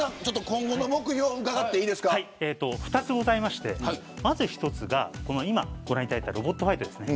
今後の目標を伺っていいですか２つございまして、まず１つが今ご覧いただいたロボットファイトです。